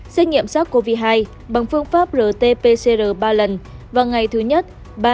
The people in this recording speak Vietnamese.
xét nghiệm sars cov hai bằng phương pháp rt pcr ba lần vào ngày thứ nhất ba bảy